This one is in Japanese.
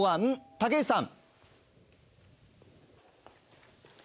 竹内さん